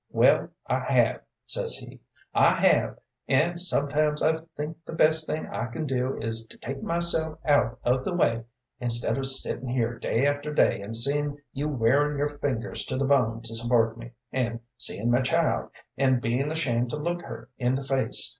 'Well, I have,' says he; 'I have, and sometimes I think the best thing I can do is to take myself out of the way, instead of sittin' here day after day and seein' you wearin' your fingers to the bone to support me, and seein' my child, an' bein' ashamed to look her in the face.